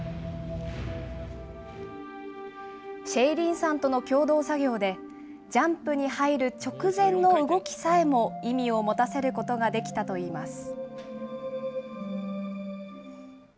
シェイリーンさんとの共同作業でジャンプに入る直前の動きさえも意味を持たせることができたといいます。